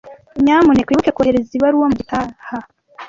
Nyamuneka wibuke kohereza ibaruwa mugitaha.